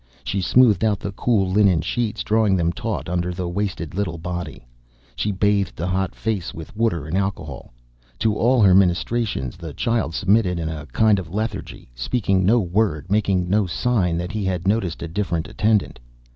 She smoothed out the cool linen sheets, drawing them taut under the wasted little body. She bathed the hot face with water and alcohol. To all her ministrations the child submitted in a kind of lethargy, speaking no word, making no sign that he had noticed a different attendant.